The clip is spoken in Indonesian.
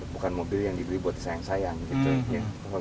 bukan mobil yang dibeli buat sayang sayang gitu